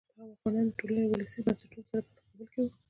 دغه واکمنان د ټولنې له ولسي بنسټونو سره په تقابل کې وو.